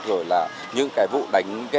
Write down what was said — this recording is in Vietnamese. rồi là những cái vụ đánh giá